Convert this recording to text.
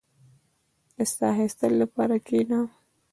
• د ساه اخيستلو لپاره کښېنه.